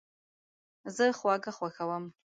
زه خواږه خوښوم